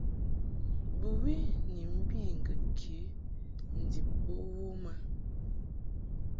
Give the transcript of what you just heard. Bɨwi ni mbi ŋgəd ke ndib bo wom a.